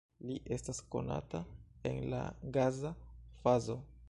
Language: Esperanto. Li estas konata en la gaza fazo.